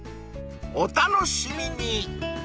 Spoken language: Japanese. ［お楽しみに］